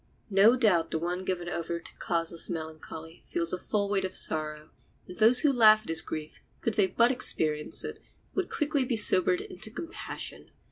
No doubt the one given over to causeless melancholy feels a full weight of sorrow, and those who laugh at his grief, could they but experience it, would quickly be sobered into compassion.